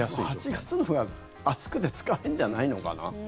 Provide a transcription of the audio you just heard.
８月のほうが暑くて疲れるんじゃないのかな？